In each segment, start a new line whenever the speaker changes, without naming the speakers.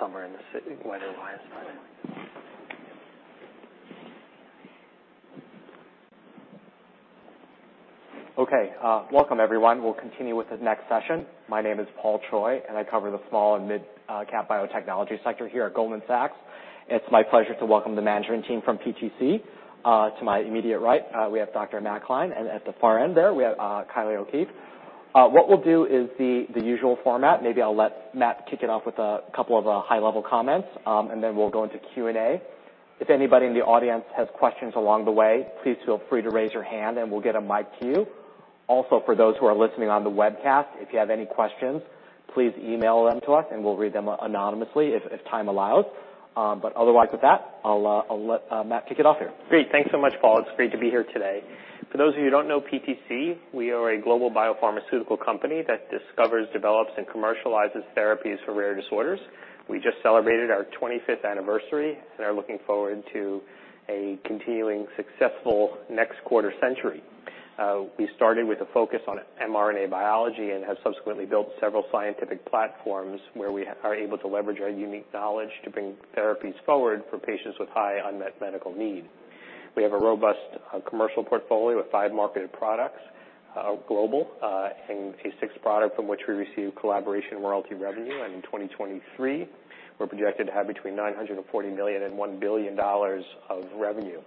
somewhere in the city, weather-wise. Okay, welcome, everyone. We'll continue with the next session. My name is Paul Choi, and I cover the small and mid-cap biotechnology sector here at Goldman Sachs. It's my pleasure to welcome the management team from PTC. To my immediate right, we have Dr. Matt Klein, and at the far end there, we have Kylie O'Keefe. What we'll do is the usual format. Maybe I'll let Matt kick it off with a couple of high-level comments, and then we'll go into Q&A. If anybody in the audience has questions along the way, please feel free to raise your hand and we'll get a mic to you. Also, for those who are listening on the webcast, if you have any questions, please email them to us and we'll read them anonymously, if time allows. Otherwise, with that, I'll let Matt kick it off here.
Great. Thanks so much, Paul. It's great to be here today. For those of you who don't know PTC, we are a global biopharmaceutical company that discovers, develops, and commercializes therapies for rare disorders. We just celebrated our 25th anniversary and are looking forward to a continuing successful next quarter century. We started with a focus on mRNA biology and have subsequently built several scientific platforms where we are able to leverage our unique knowledge to bring therapies forward for patients with high unmet medical need. We have a robust commercial portfolio with five marketed products, global, and a sixth product from which we receive collaboration royalty revenue. In 2023, we're projected to have between $940 million and $1 billion of revenue.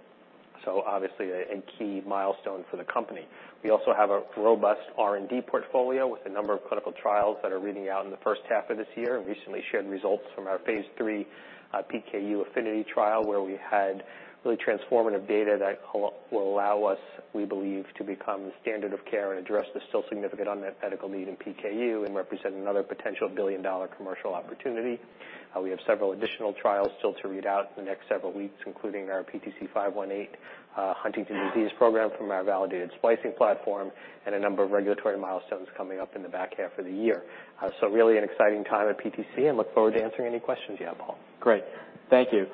Obviously, a key milestone for the company. We also have a robust R&D portfolio with a number of clinical trials that are reading out in the first half of this year, and recently shared results from our phase 3, PKU APHENITY trial, where we had really transformative data that will allow us, we believe, to become standard of care and address the still significant unmet medical need in PKU, and represent another potential billion-dollar commercial opportunity. We have several additional trials still to read out in the next several weeks, including our PTC518, Huntington's disease program from our validated splicing platform, and a number of regulatory milestones coming up in the back half of the year. Really an exciting time at PTC, and look forward to answering any questions you have, Paul.
Great. Thank you.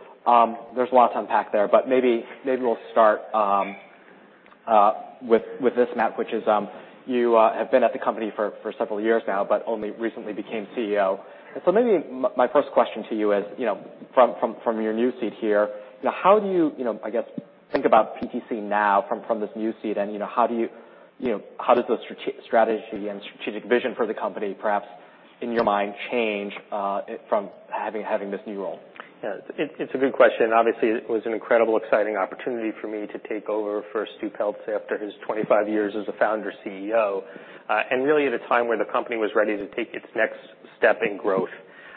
There's a lot to unpack there, but maybe we'll start with this, Matt, which is, you have been at the company for several years now, but only recently became CEO. Maybe my first question to you is, you know, from, from your new seat here, now, how do you know, I guess, think about PTC now from this new seat? You know, how do you. You know, how does the strategy and strategic vision for the company, perhaps, in your mind, change from having this new role?
Yeah. It's a good question. Obviously, it was an incredible, exciting opportunity for me to take over for Stuart Peltz after his 25 years as a founder, CEO, and really at a time where the company was ready to take its next step in growth.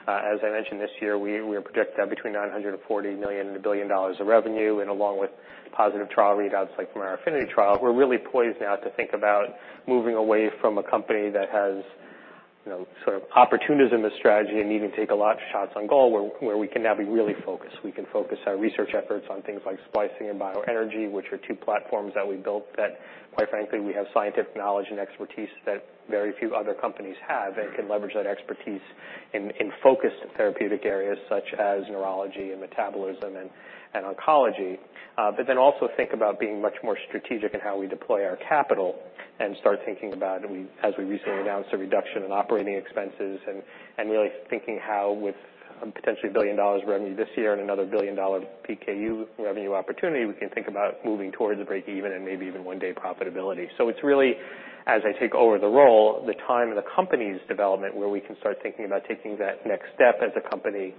As I mentioned this year, we are projected to have between $940 million and $1 billion of revenue, and along with positive trial readouts, like from our APHENITY trial, we're really poised now to think about moving away from a company that has, you know, sort of opportunism in the strategy and needing to take a lot of shots on goal, where we can now be really focused. We can focus our research efforts on things like splicing and Bio-e, which are two platforms that we built, that, quite frankly, we have scientific knowledge and expertise that very few other companies have, and can leverage that expertise in focused therapeutic areas such as neurology and metabolism and oncology. Also think about being much more strategic in how we deploy our capital and start thinking about, as we recently announced, a reduction in operating expenses and really thinking how with potentially $1 billion revenue this year and another $1 billion PKU revenue opportunity, we can think about moving towards the break-even and maybe even one day, profitability. It's really, as I take over the role, the time in the company's development, where we can start thinking about taking that next step as a company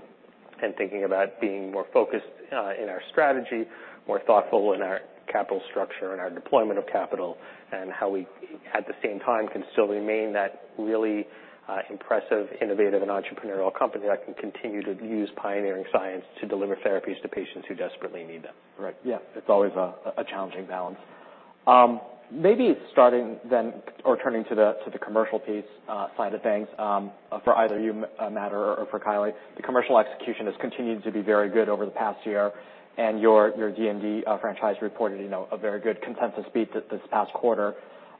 and thinking about being more focused, in our strategy, more thoughtful in our capital structure and our deployment of capital, and how we, at the same time, can still remain that really, impressive, innovative, and entrepreneurial company that can continue to use pioneering science to deliver therapies to patients who desperately need them.
Right. Yeah, it's always a challenging balance. Maybe starting then or turning to the commercial piece side of things for either you, Matt or for Kylie. Your DMD franchise reported, you know, a very good consensus beat this past quarter.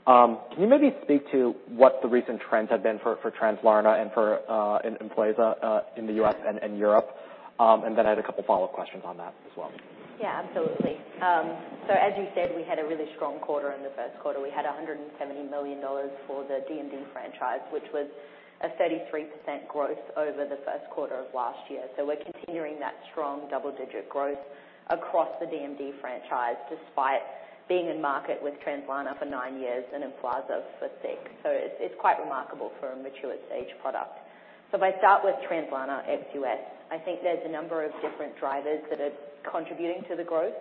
Can you maybe speak to what the recent trends have been for Translarna and for Emflaza in the U.S. and Europe? I had a couple follow-up questions on that as well.
Yeah, absolutely. As you said, we had a really strong quarter in the first quarter. We had $170 million for the DMD franchise, which was a 33% growth over the first quarter of last year. We're continuing that strong double-digit growth across the DMD franchise, despite being in market with Translarna for nine years and Emflaza for six. It's quite remarkable for a mature stage product. If I start with Translarna ex U.S., I think there's a number of different drivers that are contributing to the growth.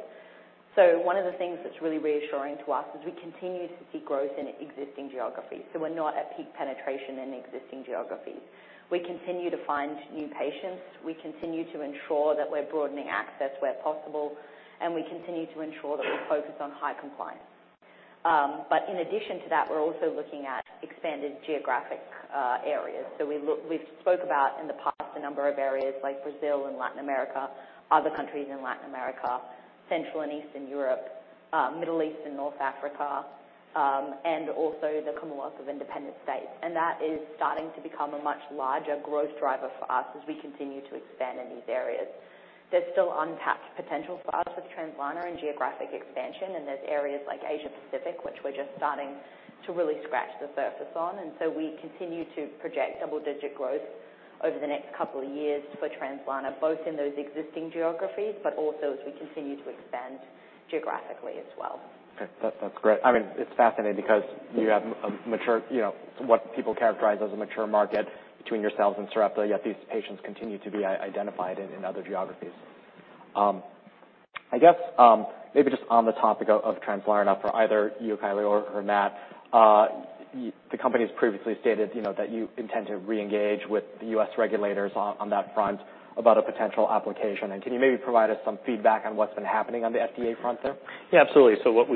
One of the things that's really reassuring to us is we continue to see growth in existing geographies, so we're not at peak penetration in existing geographies. We continue to find new patients, we continue to ensure that we're broadening access where possible, and we continue to ensure that we focus on high compliance. In addition to that, we're also looking at expanded geographic areas. We've spoke about, in the past, a number of areas like Brazil and Latin America, other countries in Latin America, Central and Eastern Europe, Middle East and North Africa, and also the Commonwealth of Independent States. That is starting to become a much larger growth driver for us as we continue to expand in these areas. There's still untapped potential for us with Translarna and geographic expansion, there's areas like Asia Pacific, which we're just starting to really scratch the surface on. We continue to project double-digit growth over the next couple of years for Translarna, both in those existing geographies, but also as we continue to expand geographically as well.
Okay, that's great. I mean, it's fascinating because you have a mature, you know, what people characterize as a mature market between yourselves and Sarepta, yet these patients continue to be identified in other geographies. I guess, maybe just on the topic of Translarna now for either you, Kylie or Matt. The company has previously stated, you know, that you intend to reengage with the U.S. regulators on that front about a potential application. Can you maybe provide us some feedback on what's been happening on the FDA front there?
Yeah, absolutely. What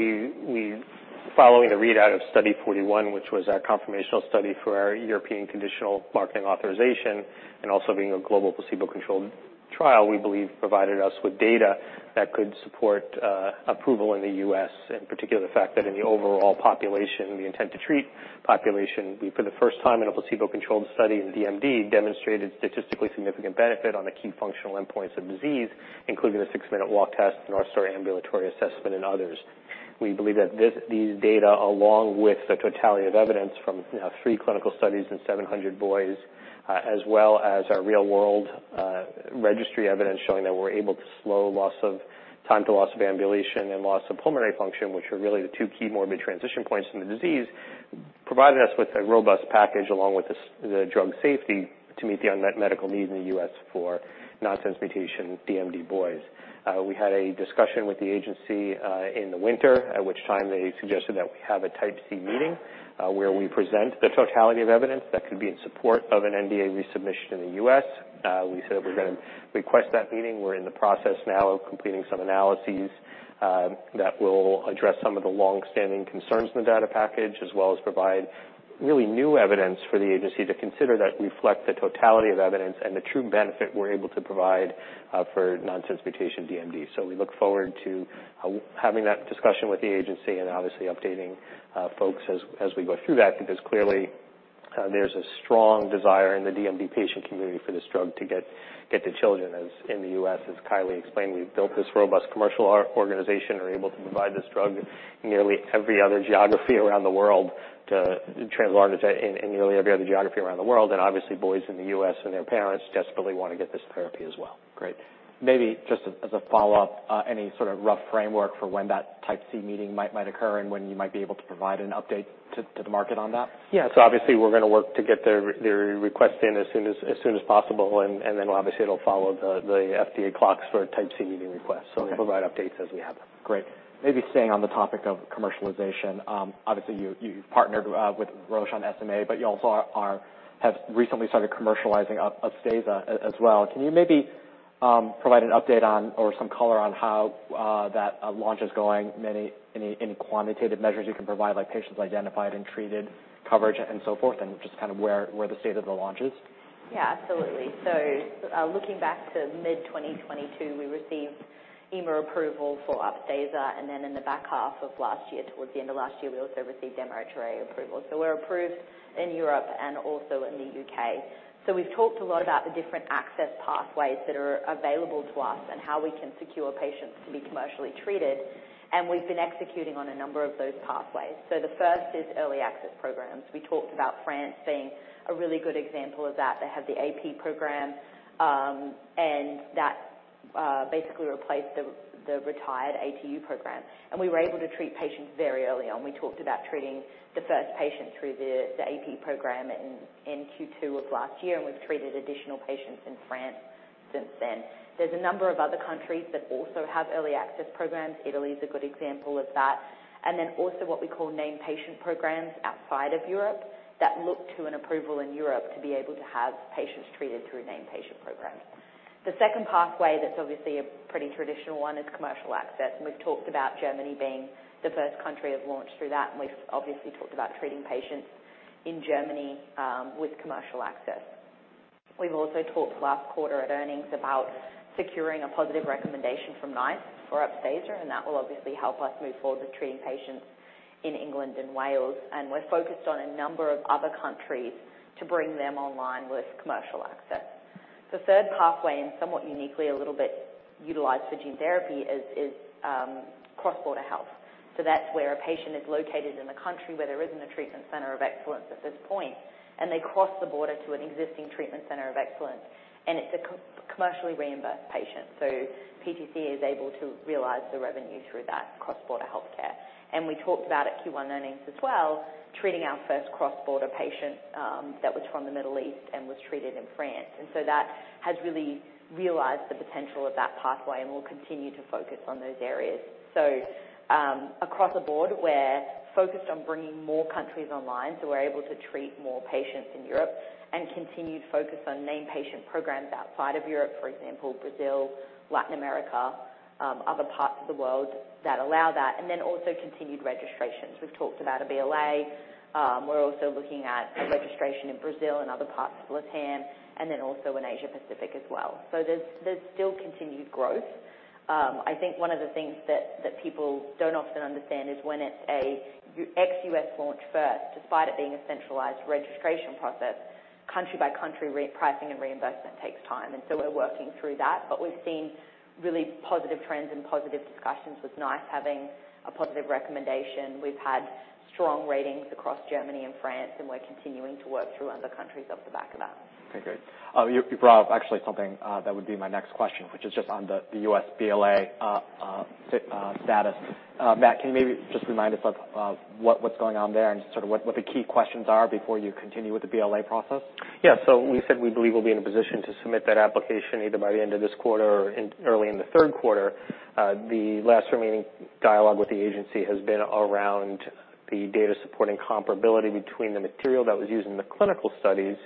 following the readout of Study 041, which was our confirmational study for our European conditional marketing authorization, and also being a global placebo-controlled trial, we believe provided us with data that could support approval in the U.S. In particular, the fact that in the overall population, the intent to treat population, we, for the first time in a placebo-controlled study in DMD, demonstrated statistically significant benefit on the key functional endpoints of disease, including the six-minute walk test, North Star Ambulatory Assessment, and others. We believe that these data, along with the totality of evidence from, you know, three clinical studies and 700 boys, as well as our real-world registry evidence showing that we're able to slow loss of... time to loss of ambulation and loss of pulmonary function, which are really the two key morbid transition points in the disease, providing us with a robust package, along with the drug safety, to meet the unmet medical needs in the U.S. for nonsense mutation DMD boys. We had a discussion with the agency, in the winter, at which time they suggested that we have a Type C meeting, where we present the totality of evidence that could be in support of an NDA resubmission in the U.S. We said we're gonna request that meeting. We're in the process now of completing some analyses that will address some of the long-standing concerns in the data package, as well as provide really new evidence for the agency to consider that reflect the totality of evidence and the true benefit we're able to provide for nonsense mutation DMD. We look forward to having that discussion with the agency and, obviously, updating folks as we go through that, because clearly, there's a strong desire in the DMD patient community for this drug to get to children, as in the U.S., as Kylie explained. We've built this robust commercial organization, are able to provide this drug in nearly every other geography around the world, to Translarna, in nearly every other geography around the world. Obviously, boys in the U.S. and their parents desperately want to get this therapy as well.
Great. Maybe just as a follow-up, any sort of rough framework for when that Type C meeting might occur, and when you might be able to provide an update to the market on that?
Yeah. Obviously, we're gonna work to get their request in as soon as possible. Obviously, it'll follow the FDA clocks for a Type C meeting request.
Okay.
We'll provide updates as we have them.
Great. Maybe staying on the topic of commercialization. obviously, you've partnered with Roche on SMA, but you also have recently started commercializing Upstaza as well. Can you maybe provide an update on or some color on how that launch is going? Any quantitative measures you can provide, like patients identified and treated, coverage and so forth, and just kind of where the state of the launch is?
Absolutely. Looking back to mid-2022, we received EMA approval for Upstaza, and then in the back half of last year, towards the end of last year, we also received MHRA approval. We're approved in Europe and also in the UK. We've talked a lot about the different access pathways that are available to us and how we can secure patients to be commercially treated, and we've been executing on a number of those pathways. The first is early access programs. We talked about France being a really good example of that. They have the AAP program, and that basically replaced the retired ATU program. We were able to treat patients very early on. We talked about treating the first patient through the AAP program in Q2 of last year, and we've treated additional patients in France since then. There's a number of other countries that also have early access programs. Italy is a good example of that. Then also what we call named patient programs outside of Europe, that look to an approval in Europe to be able to have patients treated through named patient programs. The second pathway, that's obviously a pretty traditional one, is commercial access, and we've talked about Germany being the first country of launch through that, and we've obviously talked about treating patients in Germany with commercial access. We've also talked last quarter at earnings about securing a positive recommendation from NICE for Upstaza, and that will obviously help us move forward with treating patients in England and Wales, and we're focused on a number of other countries to bring them online with commercial access. The third pathway, and somewhat uniquely, a little bit utilized for gene therapy, is cross-border health. That's where a patient is located in a country where there isn't a treatment center of excellence at this point, and they cross the border to an existing treatment center of excellence, and it's a commercially reimbursed patient. PTC is able to realize the revenue through that cross-border healthcare. We talked about at Q1 earnings as well, treating our first cross-border patient, that was from the Middle East and was treated in France. That has really realized the potential of that pathway, and we'll continue to focus on those areas. Across the board, we're focused on bringing more countries online, so we're able to treat more patients in Europe and continued focus on named patient programs outside of Europe, for example, Brazil, Latin America, other parts of the world that allow that. Then also continued registrations. We've talked about a BLA. We're also looking at registration in Brazil and other parts of LATAM, then also in Asia Pacific as well. There's still continued growth. I think one of the things that people don't often understand is when it's a ex-U.S. launch first, despite it being a centralized registration process, country by country, pricing and reimbursement takes time. So we're working through that. We've seen really positive trends and positive discussions with NICE having a positive recommendation. We've had strong ratings across Germany and France, and we're continuing to work through other countries off the back of that.
Okay, great. You brought up actually something that would be my next question, which is just on the U.S. BLA status. Matt, can you maybe just remind us of what's going on there and sort of what the key questions are before you continue with the BLA process?
We said we believe we'll be in a position to submit that application either by the end of this quarter or early in the third quarter. The last remaining dialogue with the agency has been around the data supporting comparability between the material that was used in the clinical studies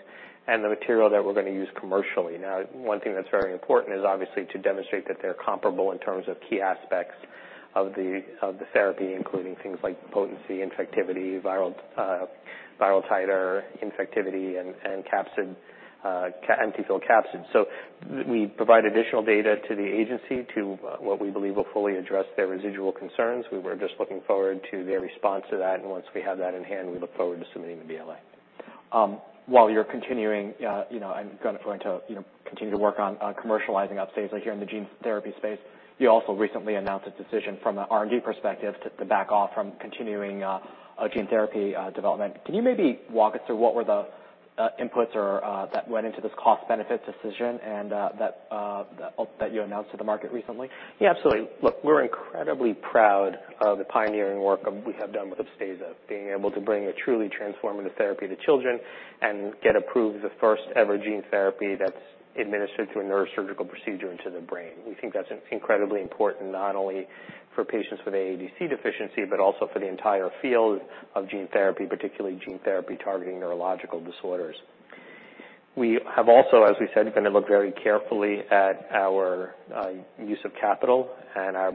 and the material that we're gonna use commercially. Now, one thing that's very important is obviously to demonstrate that they're comparable in terms of key aspects of the therapy, including things like potency, infectivity, viral titer, infectivity, and empty and full capsids. We provide additional data to the agency to what we believe will fully address their residual concerns. We were just looking forward to their response to that, and once we have that in hand, we look forward to submitting the BLA.
While you're continuing, you know, and going forward to, you know, continue to work on commercializing Upstaza here in the gene therapy space, you also recently announced a decision from an R&D perspective to back off from continuing a gene therapy development. Can you maybe walk us through what were the inputs or that went into this cost-benefit decision and that you announced to the market recently?
Absolutely. Look, we're incredibly proud of the pioneering work we have done with Upstaza, being able to bring a truly transformative therapy to children and get approved the first-ever gene therapy that's administered through a neurosurgical procedure into the brain. We think that's incredibly important, not only for patients with AADC deficiency, but also for the entire field of gene therapy, particularly gene therapy targeting neurological disorders. We have also, as we said, gonna look very carefully at our use of capital and our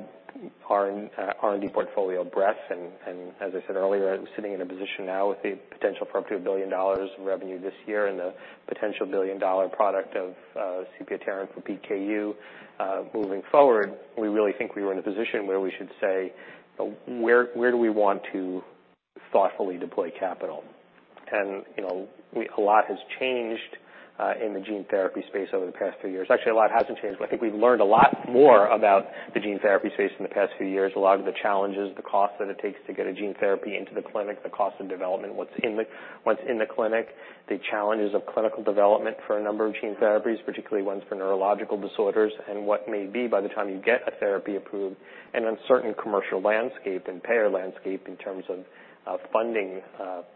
R&D portfolio breadth. As I said earlier, sitting in a position now with the potential for up to $1 billion in revenue this year and the potential $1 billion product of sepiapterin for PKU moving forward, we really think we were in a position where we should say, where do we want to thoughtfully deploy capital? You know, a lot has changed in the gene therapy space over the past few years. Actually, a lot hasn't changed, but I think we've learned a lot more about the gene therapy space in the past few years. A lot of the challenges, the cost that it takes to get a gene therapy into the clinic, the cost of development, what's in the clinic, the challenges of clinical development for a number of gene therapies, particularly ones for neurological disorders, and what may be, by the time you get a therapy approved, an uncertain commercial landscape and payer landscape in terms of funding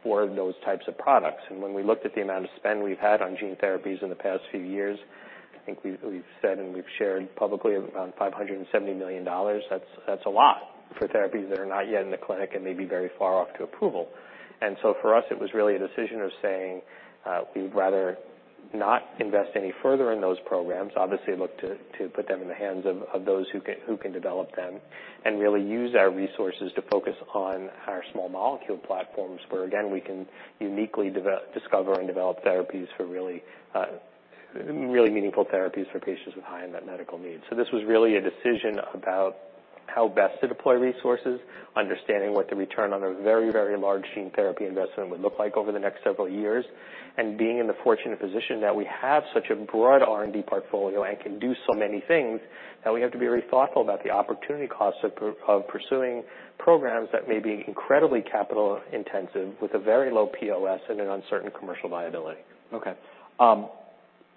for those types of products. When we looked at the amount of spend we've had on gene therapies in the past few years, I think we've said and we've shared publicly around $570 million. That's a lot for therapies that are not yet in the clinic and may be very far off to approval. For us, it was really a decision of saying, we'd rather not invest any further in those programs. Obviously, look to put them in the hands of those who can develop them, and really use our resources to focus on our small molecule platforms, where again, we can uniquely discover and develop therapies for really meaningful therapies for patients with high net medical needs. This was really a decision about how best to deploy resources, understanding what the return on a very, very large gene therapy investment would look like over the next several years, and being in the fortunate position that we have such a broad R&D portfolio and can do so many things, that we have to be very thoughtful about the opportunity costs of pursuing programs that may be incredibly capital intensive with a very low POS and an uncertain commercial viability.
Okay. You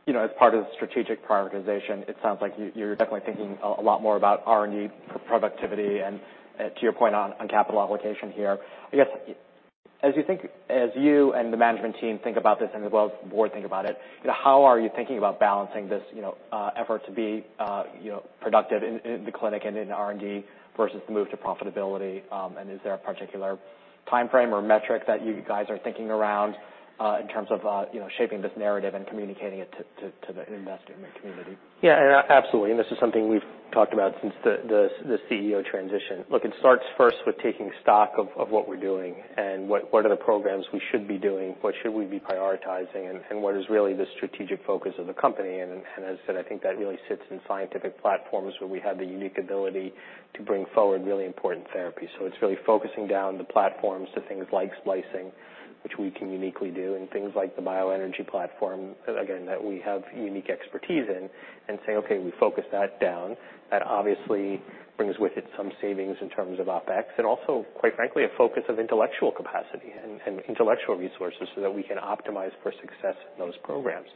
know, as part of the strategic prioritization, it sounds like you're definitely thinking a lot more about R&D productivity and to your point on capital allocation here. I guess, as you and the management team think about this and as well as the board think about it, you know, how are you thinking about balancing this, you know, effort to be, you know, productive in the clinic and in R&D versus the move to profitability? Is there a particular timeframe or metric that you guys are thinking around, in terms of, you know, shaping this narrative and communicating it to the investor in the community?
Yeah, absolutely. This is something we've talked about since the CEO transition. Look, it starts first with taking stock of what we're doing and what are the programs we should be doing, what should we be prioritizing, and what is really the strategic focus of the company. As I said, I think that really sits in scientific platforms, where we have the unique ability to bring forward really important therapies. It's really focusing down the platforms to things like splicing, which we can uniquely do, and things like the Bio-e platform, again, that we have unique expertise in, and saying: Okay, we focus that down. That obviously brings with it some savings in terms of OpEx, and also, quite frankly, a focus of intellectual capacity and intellectual resources so that we can optimize for success in those programs.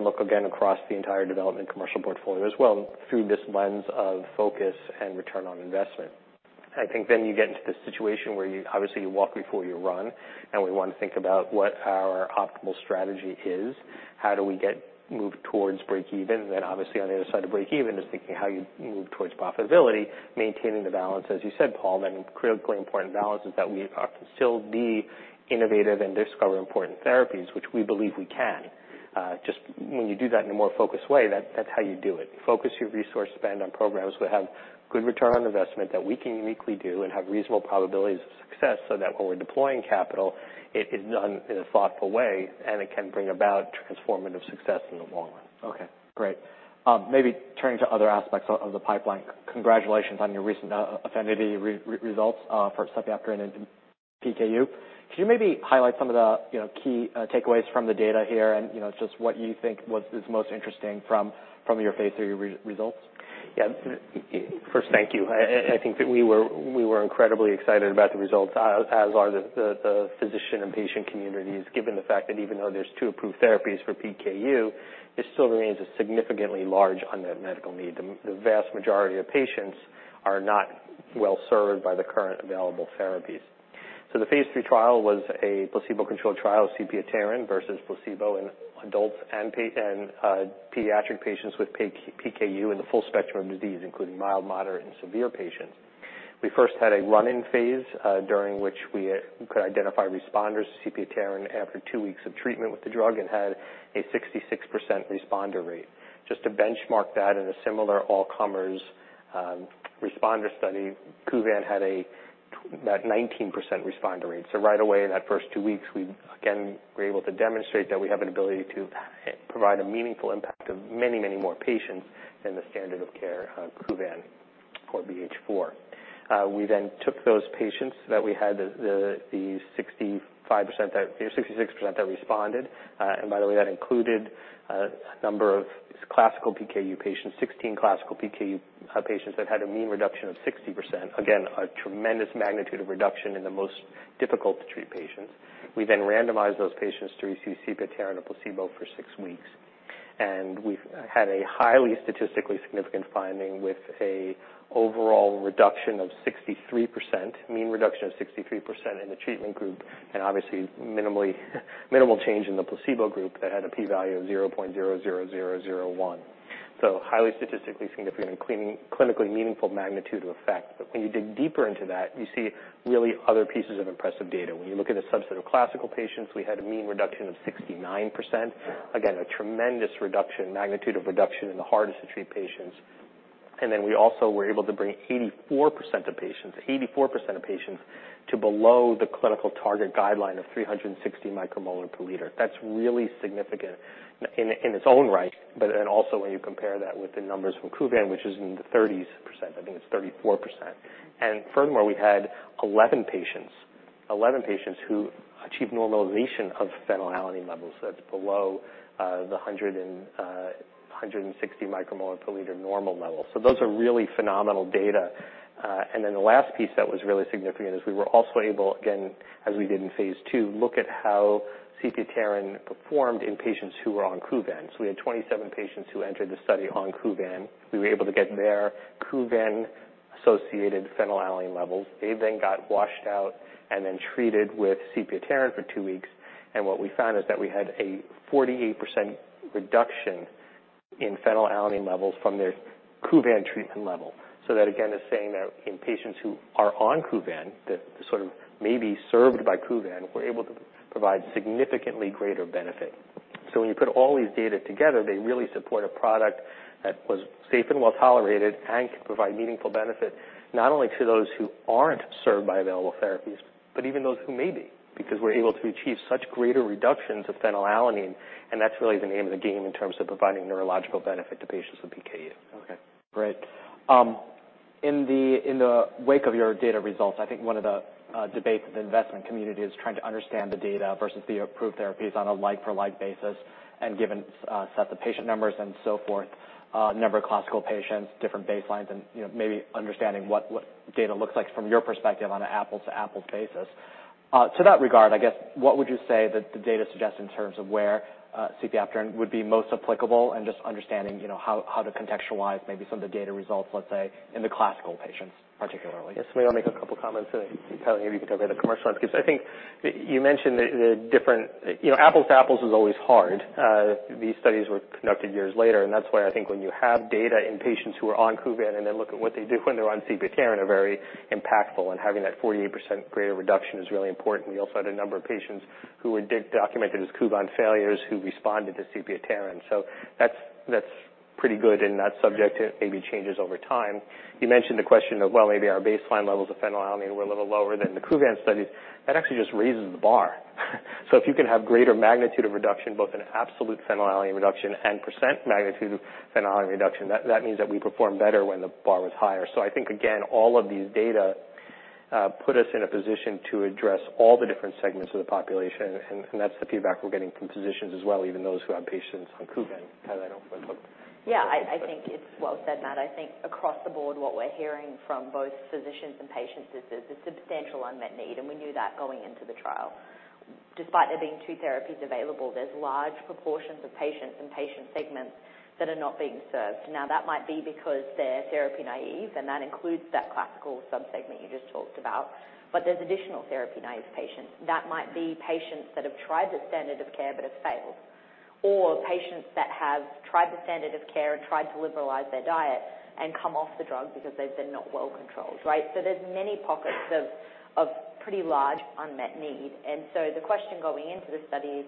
Look again across the entire development commercial portfolio as well, through this lens of focus and return on investment. I think you get into this situation where you obviously you walk before you run, and we want to think about what our optimal strategy is, how do we get moved towards break even? Obviously, on the other side of break even, is thinking how you move towards profitability, maintaining the balance, as you said, Paul, and critically important balance is that we are still be innovative and discover important therapies, which we believe we can, when you do that in a more focused way, that's how you do it. Focus your resource spend on programs that have good return on investment, that we can uniquely do, and have reasonable probabilities of success, so that when we're deploying capital, it is done in a thoughtful way, and it can bring about transformative success in the long run.
Okay, great. Maybe turning to other aspects of the pipeline. Congratulations on your recent APHENITY results for sepiapterin in PKU. Can you maybe highlight some of the, you know, key takeaways from the data here, and, you know, just what you think what is most interesting from your Phase 3 results?
First, thank you. I think that we were incredibly excited about the results, as are the physician and patient communities. Given the fact that even though there's two approved therapies for PKU, there still remains a significantly large unmet medical need. The vast majority of patients are not well served by the current available therapies. The phase 3 trial was a placebo-controlled trial, sepiapterin versus placebo in adults and pediatric patients with PKU, in the full spectrum of disease, including mild, moderate, and severe patients. We first had a run-in phase during which we could identify responders to sepiapterin after two weeks of treatment with the drug and had a 66% responder rate. Just to benchmark that in a similar all comers responder study, Kuvan had about a 19% responder rate. Right away, in that first 2 weeks, we again were able to demonstrate that we have an ability to provide a meaningful impact of many, many more patients than the standard of care, Kuvan or BH4. We took those patients that we had, the 65%, that the 66% that responded, and by the way, that included a number of classical PKU patients, 16 classical PKU patients that had a mean reduction of 60%. Again, a tremendous magnitude of reduction in the most difficult-to-treat patients. We randomized those patients to receive sepiapterin or placebo for six weeks, we've had a highly statistically significant finding, with a overall reduction of 63%, mean reduction of 63% in the treatment group, obviously, minimal change in the placebo group that had a P value of 0.00001. Highly statistically significant and clinically meaningful magnitude of effect. When you dig deeper into that, you see really other pieces of impressive data. When you look at a subset of classical patients, we had a mean reduction of 69%. Again, a tremendous reduction, magnitude of reduction in the hardest-to-treat patients. We also were able to bring 84% of patients, 84% of patients, to below the clinical target guideline of 360 micromolar per liter. That's really significant in its own right, when you compare that with the numbers from Kuvan, which is in the 30%, I think it's 34%. Furthermore, we had 11 patients who achieved normalization of phenylalanine levels. That's below the 160 micromolar per liter normal level. Those are really phenomenal data. The last piece that was really significant is we were also able, again, as we did in phase 2, look at how sepiapterin performed in patients who were on Kuvan. We had 27 patients who entered the study on Kuvan. We were able to get their Kuvan-associated phenylalanine levels. They then got washed out and then treated with sepiapterin for two weeks, and what we found is that we had a 48% reduction in phenylalanine levels from their Kuvan treatment level. That, again, is saying that in patients who are on Kuvan, that sort of may be served by Kuvan, we're able to provide significantly greater benefit. When you put all these data together, they really support a product that was safe and well tolerated and can provide meaningful benefit, not only to those who aren't served by available therapies, but even those who may be, because we're able to achieve such greater reductions of phenylalanine, and that's really the name of the game in terms of providing neurological benefit to patients with PKU.
Okay, great. In the, in the wake of your data results, I think one of the debates of the investment community is trying to understand the data versus the approved therapies on a like-for-like basis, and given set the patient numbers and so forth, number of classical patients, different baselines, and, you know, maybe understanding what data looks like from your perspective on an apples-to-apples basis. To that regard, I guess, what would you say that the data suggests in terms of where sepiaterin would be most applicable? Just understanding, you know, how to contextualize maybe some of the data results, let's say, in the classical patients particularly.
Yes, may I make a couple comments, and Kylie, maybe you can cover the commercial ones, because I think you mentioned the different... You know, apples to apples is always hard. These studies were conducted years later, and that's why I think when you have data in patients who are on Kuvan and then look at what they do when they're on sepiaterin, are very impactful. Having that 48% greater reduction is really important. We also had a number of patients who were documented as Kuvan failures, who responded to sepiaterin. That's, that's pretty good, and not subject to maybe changes over time. You mentioned the question of, well, maybe our baseline levels of phenylalanine were a little lower than the Kuvan studies. That actually just raises the bar. If you can have greater magnitude of reduction, both in absolute phenylalanine reduction and percent magnitude of phenylalanine reduction, that means that we performed better when the bar was higher. I think, again, all of these data put us in a position to address all the different segments of the population, and that's the feedback we're getting from physicians as well, even those who have patients on Kuvan. Kylie, I don't want to take-
Yeah, I think it's well said, Matt. I think across the board, what we're hearing from both physicians and patients is there's a substantial unmet need. We knew that going into the trial. Despite there being 2 therapies available, there's large proportions of patients and patient segments that are not being served. That might be because they're therapy naive. That includes that classical subsegment you just talked about. There's additional therapy-naive patients. That might be patients that have tried the standard of care but have failed. Patients that have tried the standard of care and tried to liberalize their diet and come off the drug because they've been not well controlled, right? There's many pockets of pretty large unmet need. The question going into the study,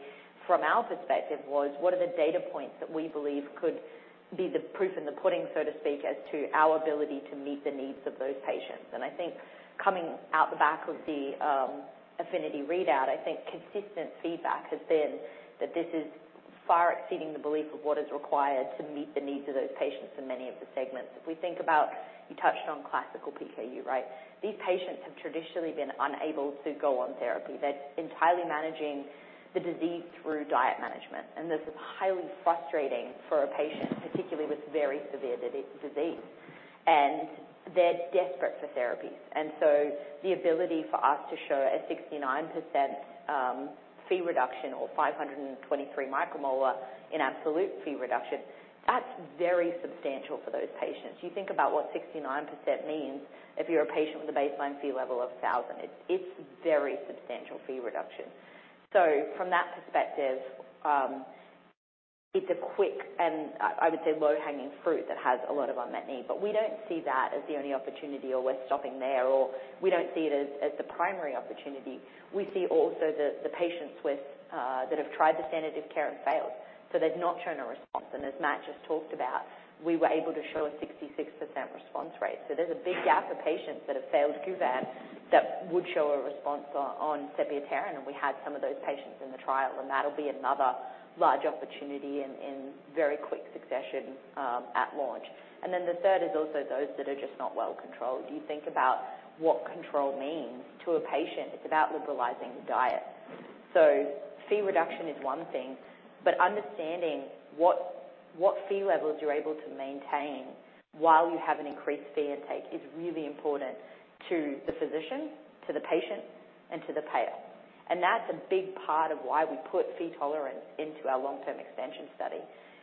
from our perspective, was, what are the data points that we believe could be the proof in the pudding, so to speak, as to our ability to meet the needs of those patients? I think coming out the back of the APHENITY readout, I think consistent feedback has been that this is far exceeding the belief of what is required to meet the needs of those patients in many of the segments. If we think about, you touched on classical PKU, right? These patients have traditionally been unable to go on therapy. They're entirely managing the disease through diet management, and this is highly frustrating for a patient, particularly with very severe disease. They're desperate for therapies. The ability for us to show a 69% Phe reduction or 523 micromolar in absolute Phe reduction, that's very substantial for those patients. You think about what 69% means if you're a patient with a baseline Phe level of 1,000, it's very substantial Phe reduction. From that perspective, it's a quick, and I would say, low-hanging fruit that has a lot of unmet need. We don't see that as the only opportunity, or we're stopping there, or we don't see it as the primary opportunity. We see also the patients with That have tried the standard of care and failed, so they've not shown a response. As Matt just talked about, we were able to show a 66% response rate. There's a big gap of patients that have failed Kuvan, that would show a response on sepiaterin, and we had some of those patients in the trial, and that'll be another large opportunity in very quick succession at launch. The third is also those that are just not well controlled. You think about what control means to a patient, it's about liberalizing the diet. Phe reduction is one thing, but understanding what Phe levels you're able to maintain while you have an increased Phe intake is really important to the physician, to the patient, and to the payer. That's a big part of why we put Phe tolerance into our long-term extension study.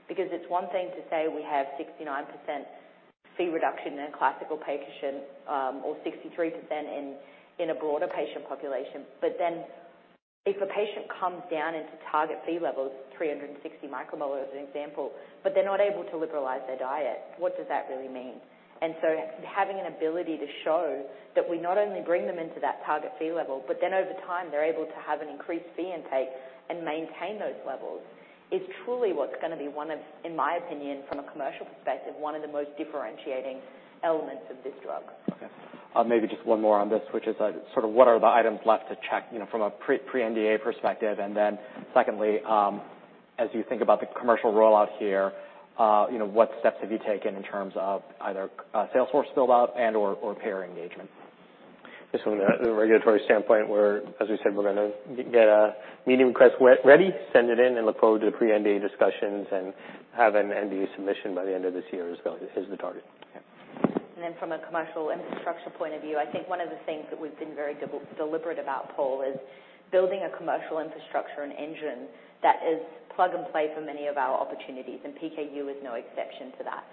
It's one thing to say we have 69% Phe reduction in a classical patient, or 63% in a broader patient population, but then if a patient comes down into target Phe levels, 360 micromolar, as an example, but they're not able to liberalize their diet, what does that really mean? Having an ability to show that we not only bring them into that target Phe level, but then over time, they're able to have an increased Phe intake and maintain those levels, is truly what's gonna be one of, in my opinion, from a commercial perspective, one of the most differentiating elements of this drug.
Okay. maybe just one more on this, which is, sort of what are the items left to check, you know, from a pre-NDA perspective? Secondly, as you think about the commercial rollout here, you know, what steps have you taken in terms of either, sales force build-out and/or payer engagement?
Just from the regulatory standpoint, we're, as we said, we're gonna get a meeting request ready, send it in, and look forward to the pre-NDA discussions, and have an NDA submission by the end of this year is the target.
Okay.
From a commercial infrastructure point of view, I think one of the things that we've been very deliberate about, Paul, is building a commercial infrastructure and engine that is plug and play for many of our opportunities, and PKU is no exception to that.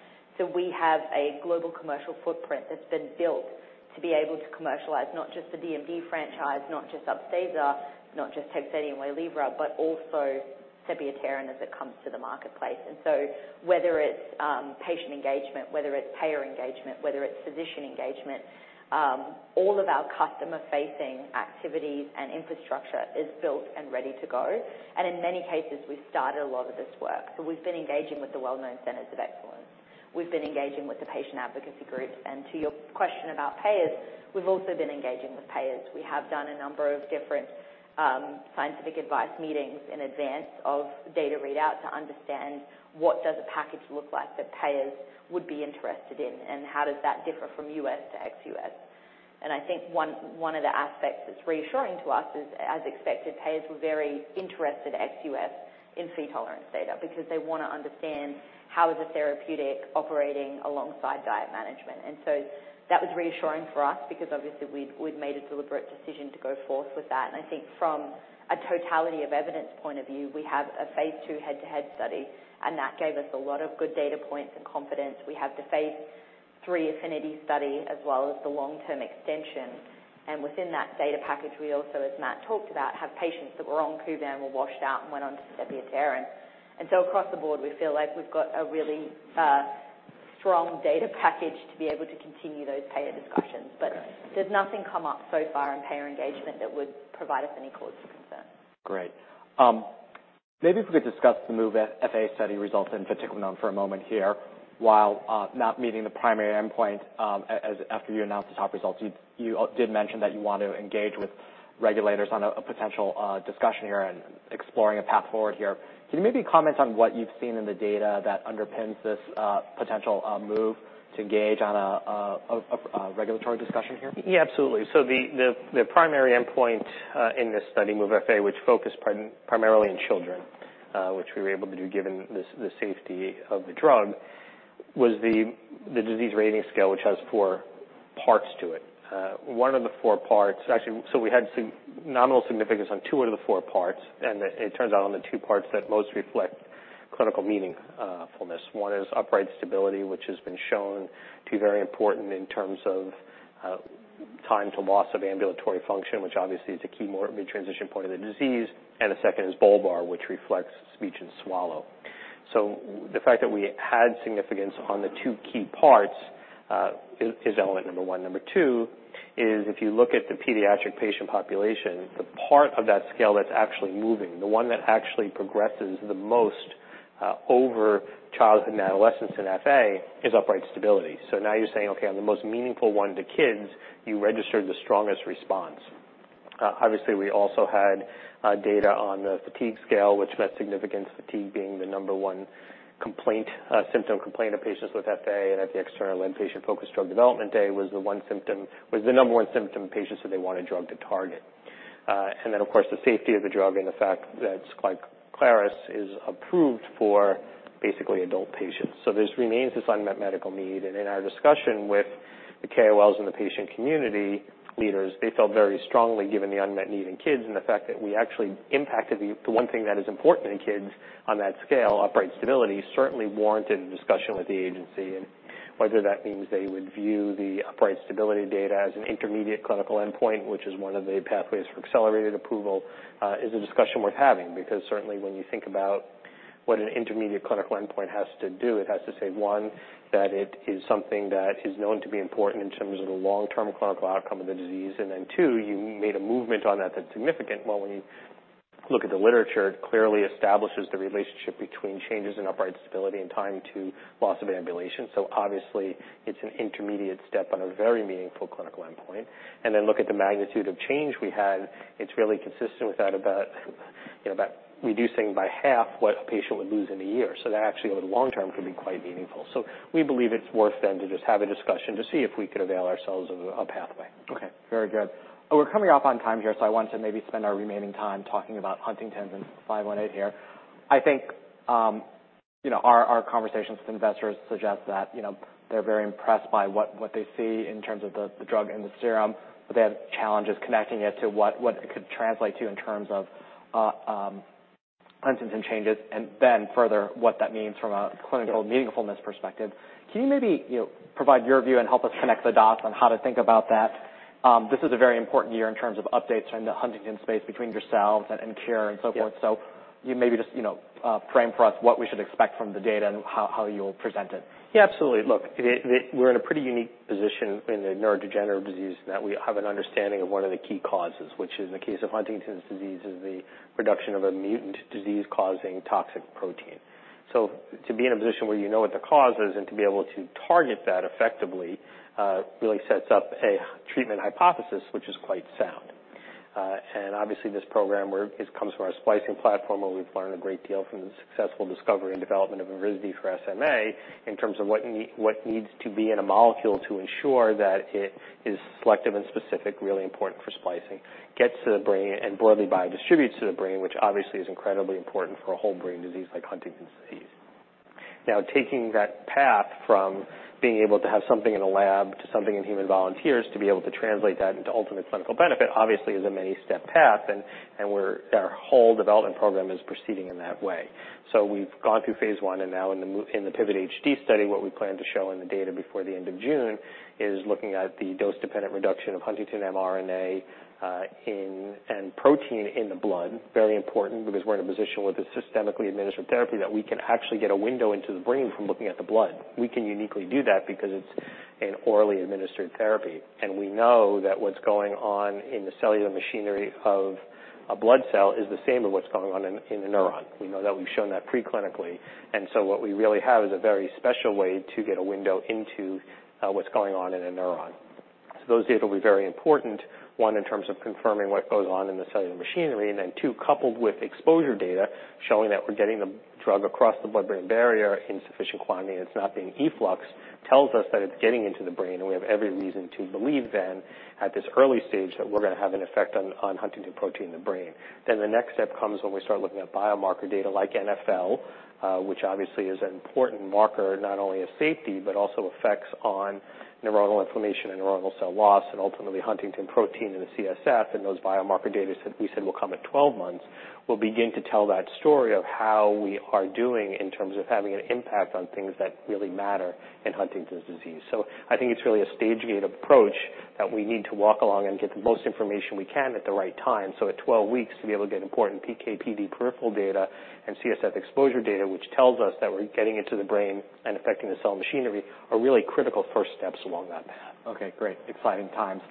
We have a global commercial footprint that's been built to be able to commercialize not just the DMD franchise, not just Upstaza, not just Tegsedi or Librea, but also sepiaterin as it comes to the marketplace. Whether it's patient engagement, whether it's payer engagement, whether it's physician engagement, all of our customer-facing activities and infrastructure is built and ready to go. In many cases, we've started a lot of this work. We've been engaging with the well-known centers of excellence. We've been engaging with the patient advocacy groups. To your question about payers, we've also been engaging with payers. We have done a number of different scientific advice meetings in advance of data readout to understand what does a package look like that payers would be interested in, and how does that differ from U.S. to ex-U.S.? I think one of the aspects that's reassuring to us is, as expected, payers were very interested ex-U.S. in Phe tolerance data, because they wanna understand how is a therapeutic operating alongside diet management. That was reassuring for us because, obviously, we'd made a deliberate decision to go forth with that. I think from a totality of evidence point of view, we have a phase 2 head-to-head study, and that gave us a lot of good data points and confidence. We have the phase 3 APHENITY study, as well as the long-term extension. Within that data package, we also, as Matt talked about, have patients that were on Kuvan, were washed out and went on to sepiaterin. Across the board, we feel like we've got a really strong data package to be able to continue those payer discussions.
Okay.
There's nothing come up so far in payer engagement that would provide us any cause for concern.
Great. Maybe if we could discuss the MOVE-FA study results in particular for a moment here. While not meeting the primary endpoint, after you announced the top results, you did mention that you want to engage with regulators on a potential discussion here and exploring a path forward here. Can you maybe comment on what you've seen in the data that underpins this potential move to engage on a regulatory discussion here?
Absolutely. The primary endpoint in this study, MOVE-FA, which focused primarily in children, which we were able to do given the safety of the drug, was the disease rating scale, which has 4 parts to it. One of the 4 parts. Actually, we had nominal significance on 2 out of the 4 parts, and it turns out on the 2 parts that most reflect clinical meaning, fullness. One is upright stability, which has been shown to be very important in terms of time to loss of ambulatory function, which obviously is a key transition point of the disease, and the second is bulbar, which reflects speech and swallow. The fact that we had significance on the 2 key parts is element number 1. Number two is, if you look at the pediatric patient population, the part of that scale that's actually moving, the one that actually progresses the most, over childhood and adolescence in FA, is upright stability. Now you're saying: Okay, on the most meaningful one to kids, you registered the strongest response. Obviously, we also had data on the fatigue scale, which met significance, fatigue being the number one complaint, symptom complaint of patients with FA, and at the external and Patient-Focused Drug Development day, was the number one symptom patients said they want a drug to target. Then, of course, the safety of the drug and the fact that Skyclarys is approved for basically adult patients. There remains this unmet medical need, and in our discussion with the KOLs and the patient community leaders, they felt very strongly, given the unmet need in kids and the fact that we actually impacted the one thing that is important in kids on that scale, upright stability, certainly warranted a discussion with the agency. Whether that means they would view the upright stability data as an intermediate clinical endpoint, which is one of the pathways for accelerated approval, is a discussion worth having. Certainly when you think about what an intermediate clinical endpoint has to do, it has to say, one, that it is something that is known to be important in terms of the long-term clinical outcome of the disease, and then two, you made a movement on that that's significant. Well, when you look at the literature, it clearly establishes the relationship between changes in upright stability and time to loss of ambulation. Obviously, it's an intermediate step on a very meaningful clinical endpoint. Then look at the magnitude of change we had. It's really consistent with that, about reducing by half what a patient would lose in a year. That actually, over the long term, could be quite meaningful. We believe it's worth then to just have a discussion to see if we could avail ourselves of a pathway.
Okay, very good. We're coming up on time here. I want to maybe spend our remaining time talking about Huntington's and 518 here. I think, you know, our conversations with investors suggest that, you know, they're very impressed by what they see in terms of the drug and the serum, but they have challenges connecting it to what it could translate to in terms of Huntington's changes, and then further, what that means from a clinical meaningfulness perspective. Can you maybe, you know, provide your view and help us connect the dots on how to think about that? This is a very important year in terms of updates in the Huntington space between yourselves and uniQure and so forth.
Yes.
You maybe just, you know, frame for us what we should expect from the data and how you'll present it.
Absolutely. Look, we're in a pretty unique position in the neurodegenerative disease, that we have an understanding of one of the key causes, which in the case of Huntington's disease, is the production of a mutant disease-causing toxic protein. To be in a position where you know what the cause is and to be able to target that effectively, really sets up a treatment hypothesis, which is quite sound. Obviously, this program where it comes from our splicing platform, where we've learned a great deal from the successful discovery and development of Evrysdi for SMA, in terms of what needs to be in a molecule to ensure that it is selective and specific, really important for splicing, gets to the brain and broadly bio distributes to the brain, which obviously is incredibly important for a whole brain disease like Huntington's disease. Taking that path from being able to have something in a lab to something in human volunteers, to be able to translate that into ultimate clinical benefit, obviously, is a many-step path, and our whole development program is proceeding in that way. We've gone through phase 1, and now in the move, in the PIVOT-HD study, what we plan to show in the data before the end of June, is looking at the dose-dependent reduction of huntingtin mRNA and protein in the blood. Very important because we're in a position with a systemically administered therapy, that we can actually get a window into the brain from looking at the blood. We can uniquely do that because it's an orally administered therapy, and we know that what's going on in the cellular machinery of a blood cell is the same as what's going on in the neuron. We know that. We've shown that preclinically. What we really have is a very special way to get a window into what's going on in a neuron. Those data will be very important, one, in terms of confirming what goes on in the cellular machinery, and then two, coupled with exposure data, showing that we're getting the drug across the blood-brain barrier in sufficient quantity, and it's not being efflux, tells us that it's getting into the brain, and we have every reason to believe then, at this early stage, that we're going to have an effect on huntingtin protein in the brain. The next step comes when we start looking at biomarker data like NfL, which obviously is an important marker, not only of safety, but also effects on neuronal inflammation and neuronal cell loss, and ultimately, huntingtin protein in the CSF. Those biomarker data, we said will come at 12 months, will begin to tell that story of how we are doing in terms of having an impact on things that really matter in Huntington's disease. I think it's really a stage-gate approach that we need to walk along and get the most information we can at the right time. At 12 weeks, to be able to get important PK/PD peripheral data and CSF exposure data, which tells us that we're getting into the brain and affecting the cell machinery, are really critical first steps along that path.
Okay, great. Exciting times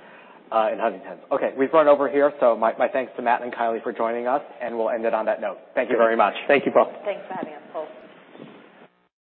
in Huntington. Okay, we've run over here, so my thanks to Matt and Kylie for joining us, and we'll end it on that note. Thank you very much.
Thank you, Paul.
Thanks for having us, Paul.